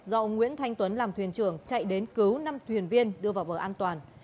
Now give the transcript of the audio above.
do ông nguyễn thanh tuấn làm thuyền trưởng chạy đến cứu năm thuyền viên đưa vào vở an toàn